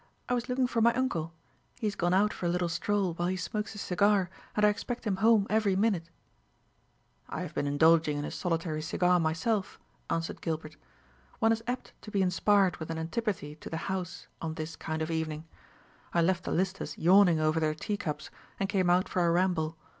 I was looking for my uncle. He has gone out for a little stroll while he smokes his cigar, and I expect him home every minute." "I have been indulging in a solitary cigar myself," answered Gilbert. "One is apt to be inspired with an antipathy to the house on this kind of evening. I left the Listers yawning over their tea cups, and came out for a ramble.